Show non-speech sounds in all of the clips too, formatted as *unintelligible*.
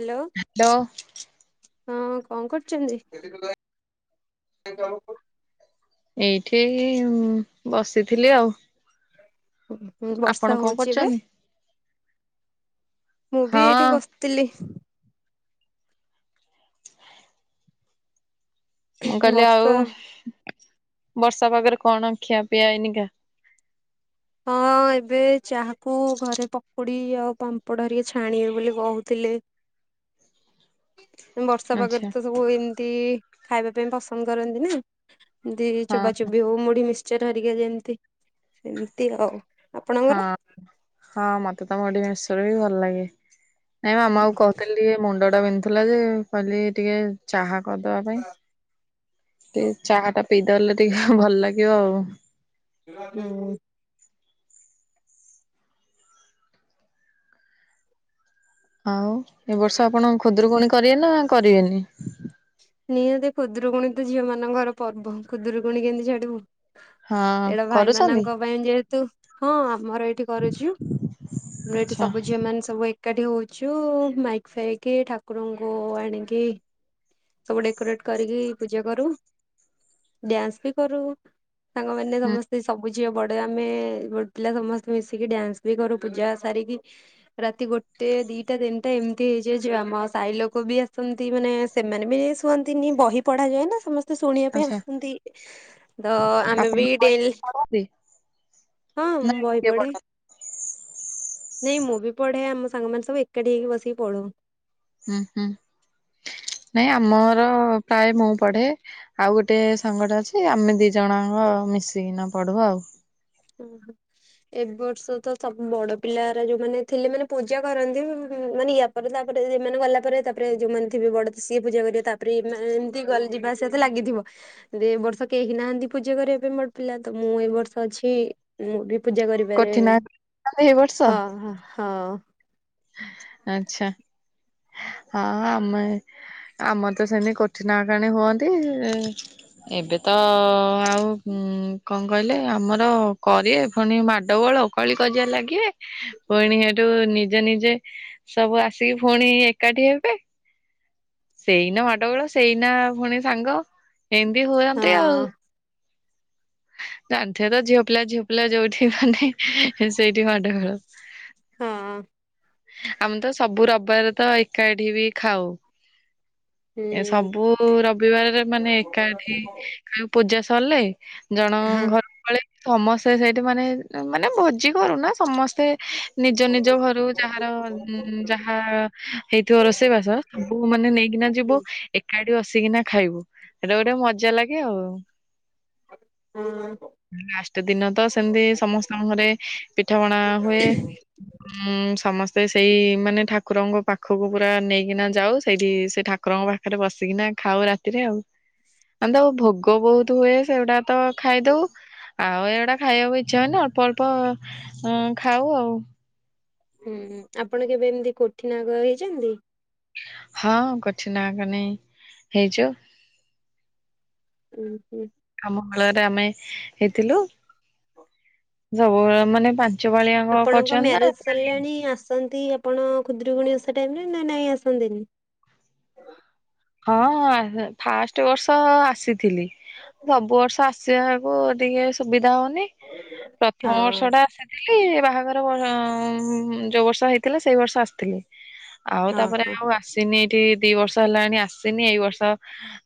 Hello. Hello ହଁ କଣ କରୁଛନ୍ତି? ଏଇଠି ବସିଥିଲି ଆଉ। ବର୍ଷା ଆପଣ କଣ ହଉଛି ଏବେ କରୁଛନ୍ତି? ମୁଁ ବି ଏଇଠି ହଁ ବସି ତିଲି ମୁଁ କହିଲି ବର୍ଷା ଆଉ ବର୍ଷା ପାଗରେ କଣ ଖିଆ ପିଆ ଏଇନିକା ହଁ। ମୁଁ ଏବେ ଚାହାକୁ ଘରେ ପକୁଡି ଆଉ ପାମ୍ପଡ ହେରିକା ଛାଣିବି ବୋଲି କହୁଥିଲେ। ବର୍ଷା ପାଗରେ ଆଚ୍ଛା ତ ସବୁ ଏମିତି ଖାଇବା ପାଇଁ ପସନ୍ଦ କରନ୍ତି ନା। ଏ ମତି ହଁ ଚୋବା ଚୋବି ହଉ ମୁଢି ମିଶ୍ଚର ହେରିକା ଯେମିତି ସେମିତି ଆଉ। ହଁ ଆପଣଙ୍କର? ହଁ ମତେ ତ ମୁଢ଼ି ମିଶ୍ଚର ବି ଭଲ ଲାଗେ। ନାଇଁ ମ ମାମାକୁ କହୁଥିଲି ଟିକେ ମୁଣ୍ଡ ଟା ବିନ୍ଧୁଥିଲା ଯେ କହିଲି ଟିକେ ଚାହା କରିଦବା ପାଇଁ ଟିକେ ଚାହାଟା ପିଇଦେଲେ ଟିକେ ଭଲ ଲାଗିବ ଆଉ। ହୁଁ। ଆଉ ଏ ବର୍ଷ ଆପଣ ଖୁଦୁରୁକୁୁଣି କରିବେ ନା କରିବେନି? ନିହାତି ଖୁଦୁରୁକୁଣୀ ତ ଝିଅ ମାନଙ୍କର ପର୍ବ ଖୁଦୁରୁକୁଣୀ କେମିତି ଛାଡିବୁ। ହଁ ଏଇଟା କରୁଛନ୍ତି ଭାଇମାନଙ୍କ ପାଇଁ ଯେହେତୁ ହଁ ଆମର ଏଇଠି କରୁଛୁ। ଏଠି ଆଚ୍ଛା ସବୁ ଝିଅ ମାନ ସବୁ ଏକାଠି ହଉଛୁ ମାଇକ୍ ଫାଇକି ଠାକୁରଙ୍କୁ ଆଣିକି ସବୁ ଡେକୋରେଟ କରିକି ପୂଜା କରୁ ଡ୍ୟାନ୍ସ ବି କରୁ। ସାଙ୍ଗମାନେ ହୁଁ ସମସ୍ତେ ସବୁ ଝିଅ ବଡ ଆମେ ପିଲା ସମସ୍ତେ ମିଶିକି ଡ୍ୟାନ୍ସ ବି କରୁ ପୂଜା ସାରିକି। ରାତି ଗୋଟେ ଦିଟା ତିନିଟା ଏମିତି ହେଇଯାଏ ଯେ ଆମ ସାହି ଲୋକ ବି ଆସନ୍ତି ମାନେ ସେମାନେ ବି ଶୁଅନ୍ତିନି ବହି ପଢାଯାଏ ନା ସମସ୍ତେ ଶୁଣିବା ପାଇଁ ଆଚ୍ଛା ଆସନ୍ତି ତ ଆମେ ଆପଣ ବି ଡେଲି ପଢନ୍ତି ହଁ ନା ମୁଁ ବହି କିଏ ପଢେ। ପଢନ୍ତି? ନାଇଁ ମୁଁ ବି ପଢେ ଆମ ସାଙ୍ଗମାନେ ସବୁ ଏକାଠି ହେଇକି ବସିକି ପଢୁ। ହୁଁ ହୁଁ ନାଇଁ ଆମର ପ୍ରାୟ ମୁଁ ପଢେ। ଆଉ ଗୋଟେ ସାଙ୍ଗଟେ ଅଛି ଆମେ ଦି ଜଣ ଆଙ୍କ ମିଶିକି ନାପଢୁ ଆଉ। ଉଁ ହୁଁ ଏବର୍ଷ ତ ସବୁ ବଡ ପିଲାରା ଯୋଉମାନେ ଥିଲେ ମାନେ ପୂଜା କରନ୍ତି ମାନେ ୟ ତାପରେ ତାପରେ ଏମାନେ ଗଲା ପରେ ତାପରେ ଯୋଉମାନେ ଥିବେ ବଡ ସିଏ ପୂଜା କରିବେ ତାପରେ ଏ ଏମିତି ଯିବା ସେତେ ଲାଗିଥିବ ଯେ ଏ ବର୍ଷ କେହି ନାହାନ୍ତି ପୂଜା କରିବା ପାଇଁ ବଡ ପିଲା ତ ମୁଁ ଏ ବର୍ଷ ଅଛି। କି ମୁଁ ବି ପୂଜା କରିବାରେ କଠିନ ଏଇ ବର୍ଷ ହଁ ହଁ। ଆଛା। ହଁ ଆମେ ଆମର ତ ସେମିତି କୋଠିନାହାକାଣୀ ହୁଅନ୍ତି। ଏବେ ତ ଆଉ କଣ କହିଲେ ଆମର କରିବେ ପୁଣି ମାଡଡୋଗୋଳ? କଳି କଜିଆ ଲାଗିବେ। ପୁଣି ହେଟୁ ନିଜେ ନିଜେ ସବୁ ଆସିକି ପୁଣି ପେ ଏକାଠି ହେବେ। ସେଇନା ମାଡୋଗୋଳ, ସେଇନା ଫୁଣି ସାଙ୍ଗ। ଏମିତି ହୁଅନ୍ତି ଆଉ। ହଁ। ତାଠିଆର ଝିଅପିଲା ଝିଅପିଲା ଯୋଉଠି ମାନେ ସେଇଠି ମାଡଗୋଳ। ହଁ। ଆମେ ତ ସବୁ ରବିବାରେ ତ ଏକାଠି ବି ଖାଉ। ହୁଁ ଏ ସବୁ ରବିବାରେ ମାନେ ଏକାଠି ପୂଜା ସଲେ। ହଁ। ଜଣଙ୍କଘର କୁ ପଳେଇବୁ ସମସ୍ତେ ସେଇଠି ମାନେ ମାନେ ଭୋଜି କରୁନା ସମସ୍ତେ ନିଜ ନିଜ ଘରୁ ଯାହାର ଯାହା ହେଇଥିବ ରୋଷେଇ ବାସ ସବୁ ମାନେ ନେଇକିନା ଯିବୁ। ଏକାଠି ବସିକିନା ଖାଇବୁ ଏଟା ଗୋଟେ ମଜା ଲାଗେ ଆଉ। ହୁଁ। ଲାଷ୍ଟ ଦିନ ତ ସେମତି ସମସ୍ତଙ୍କ ଘରେ ପିଠାପଣା ହୁଏ। ଉଁ। ସମସ୍ତେ ସେଇ ମାନେ ଠାକୁରଙ୍କ ପାଖକୁ ପୁରା ନେଇକିନା ଯାଉ। ସେଇଠି ସେ ଠାକ କୁରଙ୍କ ପାଖରେ ବସିକି ଖାଉ ରାତିରେ ଆଉ। ଆନ୍ଦୋଉ ଭୋଗ ବହୁତ ହୁଏ ସେଗୁଡା ତ ଖାଇଦୋଉ। ଆଉ ଏଇଗୁଡା ଖାଇବାକୁ ଇଚ୍ଛା ହୁଏନି। ଅଳ୍ପ ଅଳ୍ପ ଖାଉ ଆଉ। ହୁଁ ଆପଣ କେବେ ଏମତି କୋଠିନାଗ ହେଇଚନ୍ତି? ହଁ କୋଠିନାଗ ନେଇଁ ହେଇଚ। ହୁଁ ହୁଁ। ଆମ କୋଳ ରେ ଆମେ ହେଇଥିଲୁ। ସବୁବେଳେ ମାନେ ପାଞ୍ଚ ପାଳିଆ ଆପଣଙ୍କ କରିଚନ୍ତି ନା ମ୍ୟାରେଜ ନାହିଁ? ସରିଲାଣି ଆସନ୍ତି ଆପଣ ଖୁଦୁରୁକୁଣି ଓଷା ଟାଇମରେ ନାଁ ନାଇଁ ଆସନ୍ତିନି? ହଁ ହଁ ଫାଷ୍ଟ ବର୍ଷ ଆସିଥିଲି ସବୁ ବର୍ଷ ଆସ ସେଆକୁ ଟିକେ ସୁବିଧା ହୋଉନି। ହଁ ପ୍ରଥମ ବର୍ଷ ଟା ଥିଲ ବାହାଘର ହଁ ଯୋଉ ବର୍ଷ ହେଇଥିଲା ସେଇ ବର୍ଷ ଆସତିଲି। ଆଉ ହଁ ତାପରେ ହଁ ଆଉ ଆସିନି ଏଇଠି ଦି ବର୍ଷ ହେଲାଣି ଆସି ଆସିନି ଏଇ ବର୍ଷ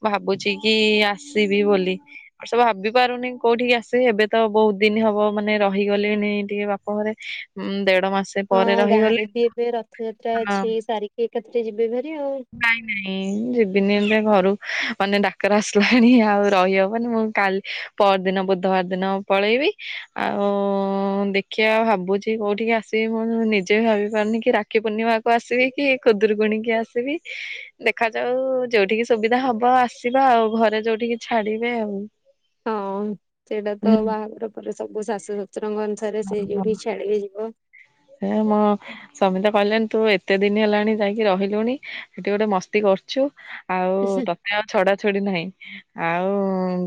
ଭାବୁଚି କି ଆସ ସିବି ବୋଲି। ଏ ବର୍ଷ ଭାବିପାରୁନି କୋଉଠିକି ଆସ ସେ ଏବେ ତ ବହୁତ ଦିନ ହବ ମାନେ ରହିଗଲିଣି ଟିକେ ଏଇ ଟିକେ ବାପଘରେ। ଦେଢ ମାସ ହଁ ଗାଁ ରେ ବି ଏବେ ରଥଯାତ୍ରା ଅଛି ସାରିକି ଏକାତରେ ଯିବେ ଭାରି ଆଉ। କାଇଁ ନାଇଁ ଦିନେ ଦିନେ ଘରୁ ମାନେ ଡାକରା ଆସିଲାଣି ଆଉ ରହିହବନ ମୁଁ କାଲି ପହର ଦିନ ବୁଧବାର ଦିନ ପଳେଇବି। ଆଉ ଦେଖିବା ଭାବୁଚି କୋଉଠିକି ଆସ ସିଏ ମୁଁ ନିଜେ ବି ଭାବି ପାରୁନି କି ରାକ୍ଷୀ ପୂର୍ଣ୍ଣିମାକୁ ଆସିବି କି ଖୁଦୁୁରୁକୁଣ କିି ଆସିବି? ଦେଖାଯାଉ ଯୋଉଠିକି ସୁବିଧା ହବ ଆସିବା ଆଉ। ଘରେ ଯୋଉଠିକି ଛାଡିବେ ଆଉ। ହଁ ସେଇଟା ତ ବାହାଘର ପରେ ସବୁ ଶାଶୁ ଶଶୁରଙ୍କ ଅନୁସାରେ ସେ ଯୋଉଠିକି ଛାଡିକେ ଯିବ। ହେ ମ ସ୍ୱାମୀ ତ କହିଲେଣି ତୁ ଏତେ ଦିନ ହେଲାଣି ଯାଇକି ରହିଲୁଣି ସେଠି ଗୋଟେ ମସ୍ତି କରୁଚୁ। ଆଉ ତତେ ଆଉ ଛଡା ଛୁଡି ନାହିଁ। ଆଉ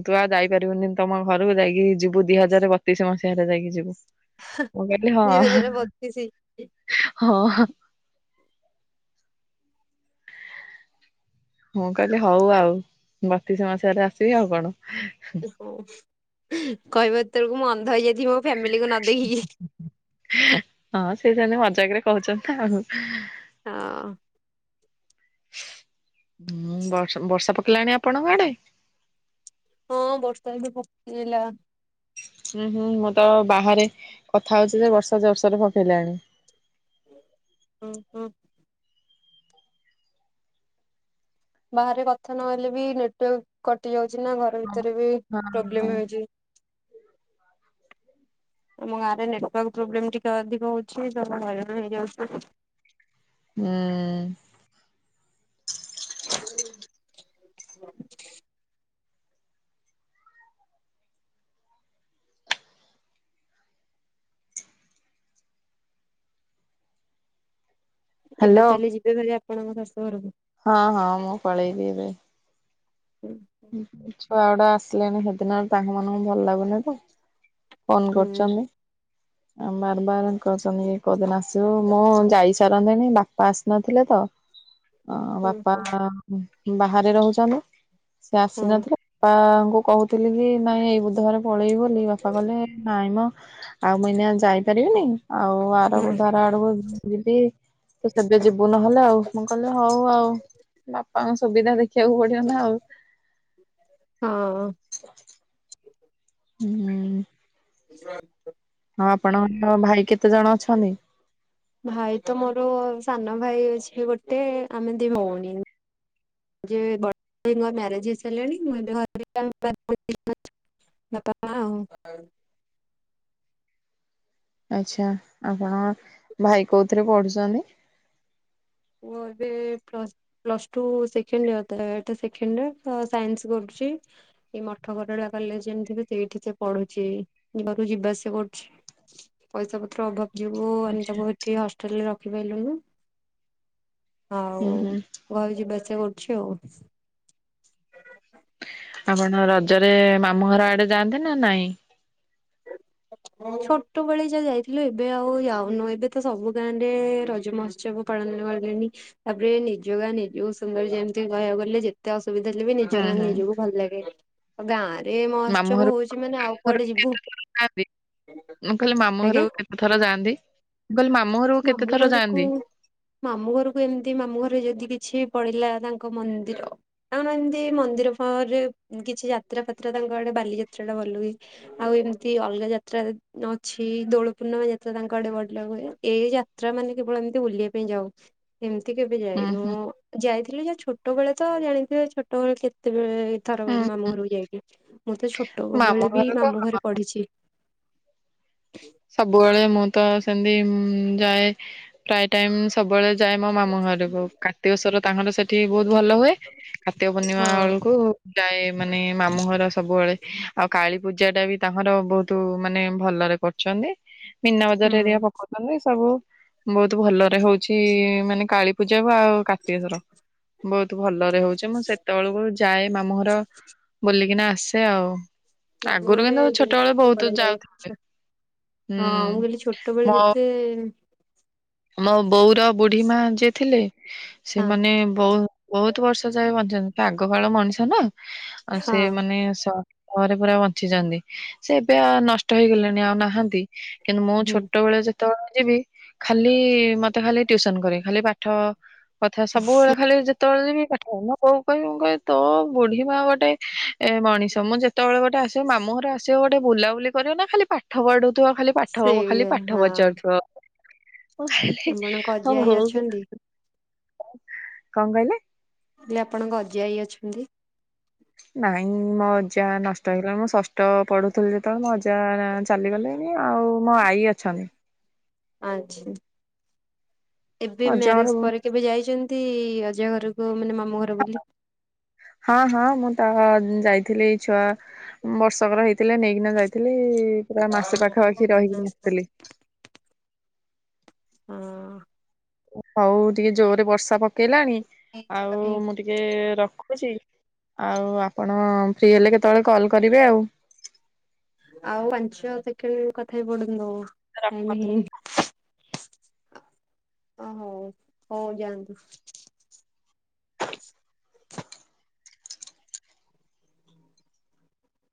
ତୁ ଆଉ ଯାଇପାରିବୁନି ତମ ଘରକୁ ଯାଇକି ଯିବୁ ଦି ହଜାର ବତିଶ ମସିହାରେ ଯାଇକି ଯିବୁ। ମୁଁ କହିଲି ହଁ ଦି ହଜାର ବତିଶି। ହଁ। ମୁଁ କହିଲି ହଉ ଆଉ ବତିଶ ମାସରେ ଆସିବି ଆଉ କଣ? କହିବ ଏତେଳକୁ ମୁଁ ଅନ୍ଧ ହେଇଯାଇଛିଓ। ହଁ ସେ ସେମିତ ମଜାକ ରେ କହୁଛନ୍ତି ଆଉ। ହଁ। ହୁଁ ବ ବର୍ଷା ପକେଇଲାଣି ଆପଣଙ୍କ ଆଡେ? ହଁ ବର୍ଷା ଏବେ ପକେଇଲା। ହୁଁ ହୁଁ ମୁଁ ତ ବାହାରେ କଥା ହଉଚି ଯେ ବର୍ଷା ଜୋରସରେ ପକେଇଲାଣି। ହୁଁ ହୁଁ। ବାହାରେ କଥା ନହଲେ ବି ନେଟୱାର୍କ କଟି ଯାଉଛି ନା ଘର ଭିତରେ ବି ହଁ ହଁ ପ୍ରୋବ୍ଲେମ ହେଉଛି। ଆମ ଗାଁରେ ନେଟୱାର୍କ ପ୍ରୋବ୍ଲେମ ଟିକେ ଅଧିକ ହଉଛି ତ ମୁଁ ହଇରାଣ ହେଇଯାଉଛି। ଉଁ। *inaudible* ଏବେ ହ୍ୟାଲୋ। ତାହେଲେ ଯିବେ ଭରି ଆପଣଙ୍କ ଶାଶୁ ଘରକୁ? ହଁ ହଁ ମୁଁ ପଳେଇବି ଏବେ। ହୁଁ *inaudible* ଛୁଆ ଗୁଡା ଆସିଲେଣିି ସେଦିନ ତାଙ୍କ ମାନଙ୍କୁ ଭଲ ଲାଗୁନି ତ। ଫୋନ ହୁଁ କରଚନ୍ତି। ବାର ବାର କଛନ୍ତି କୋଉଦିନ ଆସିବୁ ମୁଁ ଯାଇସାରନ୍ତିନି ବାପା ଆସିନଥିଲେ ତ। *inaudible* ଅ ବାପା ମା ବାହାରେ ରହୁଛନ୍ତି ସେ ଆସିନଥିଲେ। ବାପାଙ୍କୁ କହୁଥିଲି କି ନାଇଁ ଏଇ ବୁଧବରେ ପଳେଇବି ବୋଲି ବାପା କହିଲେ ନାଇଁ ମ ଆଉ ମୁ ଏଇନା ଯାଇପାରିବିନି ଆଉ ଆର ହଁ। ବୁଧବାର ଆଡ଼କୁ ଯିବି ତୁ ସେବେ ଯିବୁ ନହେଲେ ଆଉ ମୁଁ କହିଲି ହଉ ଆଉ ବାପାଙ୍କ ସୁବିଧା ଦେ ଖିଆକୁ ପଡିବ ନା ଆଉ। ହଁ। ହୁଁ। *unintelligible* ହଁ ଆପଣଙ୍କର ଭାଇ କେତେ ଜଣ ଅଛନ୍ତି? *inaudible* ଭାଇ ତ ମୋର ସାନ ଭାଇ ଅଛି ଗୋଟେ ଆମେ ଦି ଭଉଣୀ। ଯେ ବଡ଼ ଭା ଙ୍କ ମ୍ୟାରେଜ୍ ହେଇ ସାରିଲାଣି ମୁଁ ଏବେ ଘର *unintelligible* ବାପା ମା ଆଉ। ଆଚ୍ଛା ଆପଣଙ୍କ ଭାଇ କୋଉଥିରେ ପଢୁଚନ୍ତି? ପୁଅ ଏବେ plus plus two second year ତ ଏଟା ସେଖେଣ୍ଡ ଇଅର ତ ସାଇନ୍ସ କରୁଚି। ଏଇ ମଠ ଗରଳାଆ କଲେଜ ଜାଣିଥିବେ ସେଇଠି ସେ ପଢୁଚି ଯିବାକୁ ଯିବା ଆସିଆ କରୁଛି। ପଇସା ପତ୍ର ଅଭାବ ଯୋଗୁ ଆମେ ତାକୁ ହେଠି ହଷ୍ଟେଲରେ ରଖିପାଇଲୁନୁ। ଆଉ ହୁଁ ହୁଁ ଘରୁ ଯିବା ଆସିଆ କରୁଚି ଆଉ। ଆପଣ ରଜରେ ମାମୁ ଘର ଆଡେ ଯାଆନ୍ତି ନା ନାଇଁ? ଛୋଟବେଳେ ଯା ଯାଇଥିଲୁ ଏବେ ଆଉ ଯାଉନୁ ଏବେ ତ ସବୁ ଗାଁ ରେ ରଜ ମସ୍ ଉତ୍ସବ ପାଳନ କଲେଣି ତାପରେ ନିଜ ଗା ନିଜ କୁ ସୁନ୍ଦର ଯେମିତି କହିବାକୁ ଗଲେ ଯେ ଏତେ ଅସୁବିଧା ହେଲେ ବି ନିଜ ହୁଁ ଗାଁ ହୁଁ ନିଜକୁ ଭଲ ଲାଗେ। ଆଉ ଗାଁ ରେ ମହୋତ୍ସବ ହଉଚି ମାନେ ଆଉ କୁଆଡେ ଯିବୁ। ଆବୀ ମୁଁ କହିଲି ମାମୁଁ ଆଜ୍ଞା ଘରକୁ କେତେଥର ଯାଆନ୍ତି? ମୁଁ କଇଲି ମାମୁ ଘରକୁ କେତେ ଥର ଯାଆନ୍ତି? ମାମଁ ଘରକୁ ଏମିତି ମାମୁ ଘରେ ଯଦି କିଛି ପଡିଲା ତାଙ୍କ ମନ୍ଦିର ଆ ଏମିତି ମନ୍ଦିର ଫଅରେ କିଛି ଯାତ୍ରା ଫାତ୍ରା ତାଙ୍କ ଆଡେ ବାଲିଯାତ୍ରା ଟା ଭଲ ହୁଏ। ଆଉ ଏମିତି ଅଲଗା ଯାତ୍ରା ଯ ଅଛି ଦୋଳ ପୂର୍ଣ୍ଣିମା ଯାତ୍ରା ତାଙ୍କ ଆଡେ ବଲ ହୁଏ। ଏଇ ଯାତ୍ରା ମାନେ କେବଳ ଏମିତି ବୁଲିବା ପାଇଁ ଯାଉ ଏମିତି କେବେ ହୁଁ ଯାଇନୁ। ହୁଁ ଯାଇଥିଲି ଯେ ଛୋଟବେଳେ ତ ଜାଣିଥିବେ ଛୋଟବେଳେ କେତେବେଳେ ତାର ହୁଁ ମାମୁଁ ଘରକୁ ଯାଇକି ମୁଁ ତ ଛୋଟ ମାମୁଁ ବେଳେ ବି ଘରକୁ ମାମୁଁ ଘରେ ପଢିଚି। ସବୁବେଳେ ମୁଁ ତ ସେମିତି ଉଁ ଉଁ ଯାଏ ପ୍ରାୟ ଟାଇମି ସବୁବେଳେ ଯାଏ ମୋ ମାମୁ ଘରକୁ କାର୍ତିକଶ୍ୱର ତାଙ୍କର ସେଠି ବହୁତୁ ଭଲ ହୁଏ। କାର୍ତିକ ପୂର୍ଣ୍ଣିମା ହଁ ଆଳକୁ ଯାଏ ମାନେ ମାମୁଁ ଘର ସବୁବେଳେ ଆଉ କାଳୀ ପୂଜା ଟା ବି ତାଙ୍କର ବହୁତୁ ମାନେ ଭଲରେ କ ଚନ୍ତୀ ମିନା ବଜାର ଏରିଆ ହଁ। ପକଉଚନ୍ତି ସବୁ ବହୁତୁ ଭଲରେ ହଉଚି ମାନେ କାଳୀ ପୂଜା ଆଉ ଆଉ କାର୍ତ୍ତିକେଶ୍ୱର ବହୁ ତୁ ଭଲରେ ହଉଚି ମୁଁ ସେତେଅଳକୁ ଯାଏ ମାମୁଁ ଘର ବୁଲିକିନା ଆସେ ଆଉ। ଆଗରୁ କିନ୍ତୁ ଛୋଟ ଏଳେ ବହୁତୁ ଯାଉ ଛେ ହଁ ମୁଁ ହୁଁ କଇଲି ଛୋଟବେଳେ ଯେତେ ଆମ ବୋଉର ବୁଢୀ ମା ଯିଏ ଥିଲେ ହଁ ସେମାନେ ବହୁ ବହୁତୁ ବର୍ଷ ଯା ଏ ବଞ୍ଚିଚନ୍ତି ଆଗ କାଳ ମଣିଷ ନା ସେ ହଁ ମାନେ ସ ପରେ ପୁରା ବଞ୍ଚିଛନ୍ତି ସେ ଏବେ ଆଉ ନଷ୍ଟ ହେଇଗଲେଣି ଆଉ ନାହାନ୍ତି। କିନ୍ତୁ ମୁଁ ହୁଁ ଛୋଟବେଳେ ଯେତେବେଳେ ଯିବି ଖାଲି ମତେ ଖାଲି ଟ୍ୟୁସନ କରେ ଖାଲି ପାଠ କଥା ସବୁବେଳେ ଖାଲି ଯେ ଯେତବେଳେ ଯିବି ପାଠ ମୋ ବୋଉ କୁ କହିବି ମୁଁ କହିବି ତୋ ବୁଢୀ ମା ଗୋଟେ ଏ ମଣିଷ ମୁଁ ଯେତେବେଳେ ଗୋଟେ ଆସିବି ମାମୁ ଘର ଆସିବ ଗୋଟେ ବୁଲାବୁଲି କରିବ ନା ଖାଲି ପା ପାଠ ପଢୁଥିବ ଖାଲି ପାଠ ଖାଲି ସେଇଆ ପାଠ ହଁ ପଚାରୁଥିବ। ଓ ହେଇ ଆପଣଙ୍କ ହୋ ଅଜା ଆଈ ହଉ ହଉ। *unintelligible* ଅଛନ୍ତି? କଣ କହିଲେ? ହେଲେ ଆପଣଙ୍କ ଅଜା ଆଇ ଅଛନ୍ତି? ନାଇଁ ମୋ ଅଜା ନଷ୍ଟ ହେଇଗଲାଣି ମୁଁ ଶସ୍ ଷଷ୍ଠ ପଢ଼ୁଥିଲି ଯେତେବେଳେ ମୋ ମଜା ଚାଲିଗଲେଣି ଆଉ ମୋ ଆଈ ଅଛନ୍ତି। ଆଛ ମୋ ଏବେ ଅଜାଙ୍କର ମ୍ୟାରେଜ ପରେ କେବେ ଯାଇଚ ନ୍ତି ଅଜା ଘରକୁ ମାନେ ମାମୁଁ ଘର ବୋଲି? ହଁ ହଁ ମୁଁ ତ ଯାଇଥିଲି ଛୁଆ ବର୍ଷକର ହେଇଥିଲେ ନେଇକି ନେଇକିନା ଯାଇଥିଲି ପୁରା ମାସେ ପାଖାପାଖି ରହିକିନି ଆସିଥିଲି। ହଁ। ହଉ ଟିକେ ଜୋରରେ ବର୍ଷା ପକେଇଲାଣି ଆଉ ମୁଁ ଟିକେ ରଖୁଚି ଆଉ ଆପଣ ଫ୍ରି ହେଲେ କେତେବେଳେ କଲ୍ କରିବେ ଆଉ। ଆଉ ପାଞ୍ଚ ସେକେଣ୍ଡ କଥା ହେଇ ପଡନ୍ତୁ ଟାଇମି ରଖନ୍ତୁ। ହେଇନି। ଅ ହଉ ହଉ ଯାଆନ୍ତୁ।